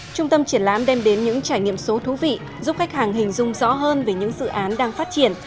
trung tâm triển lãm đem đến những trải nghiệm số thú vị giúp khách hàng hình dung rõ hơn về những dự án đang phát triển